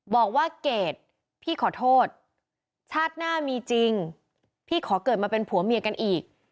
บอกว่าเกดพี่ขอโทษชาติหน้ามีจริงพี่ขอเกิดมาเป็นผัวเมียกันอีก